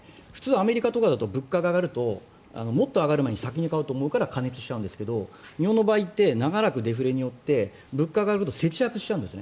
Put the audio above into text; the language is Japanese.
アメリカとかだと物価が上がるともっと上がる前に先に買おうとするから過熱するんですが日本の場合って長らくデフレによって物価が上がると節約しちゃうんです。